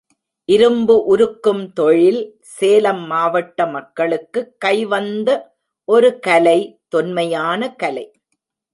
இரும்பு உருக்கும் தொழில் சேலம் மாவட்ட மக்களுக்குக் கைவந்த ஒரு கலை தொன்மையான கலை.